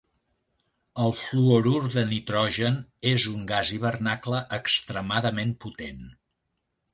El fluorur de nitrogen és un gas hivernacle extremadament potent.